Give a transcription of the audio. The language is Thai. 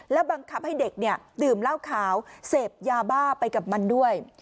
บังคับให้เด็กดื่มเหล้าขาวเสพยาบ้าไปกับมันด้วย